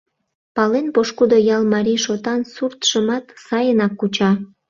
Пален, пошкудо ял марий шотан, суртшымат сайынак куча.